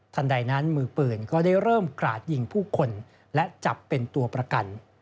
ใดนั้นมือปืนก็ได้เริ่มกราดยิงผู้คนและจับเป็นตัวประกัน